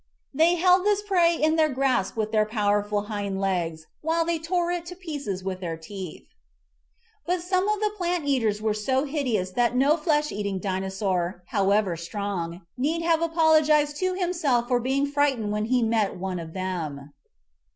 They held this prey in their grasp with their powerful hind legs while they tore it to pieces with their teeth. But some of the plant eaters were so hideous that no flesh eating Dinosaur, however strong, need have apologized to himself for being frightened when he met one of them.